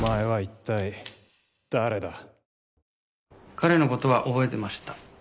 彼の事は覚えてました。